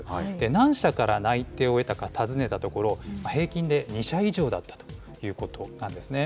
何社から内定を得たか尋ねたところ、平均で２社以上だったということなんですね。